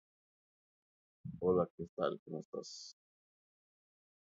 Marek publicó su descubrimiento en la revista "Nature".